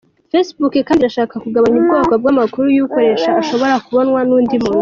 Facebook kandi irashaka kugabanya ubwoko bw’amakuru y’uyikoresha ashobora kubonwa n’undi muntu.